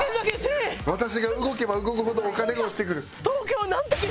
「私が動けば動くほどお金が落ちてくる」。